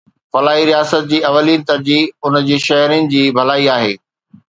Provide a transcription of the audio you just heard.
فلاحي رياست جي اولين ترجيح ان جي شهرين جي ڀلائي آهي.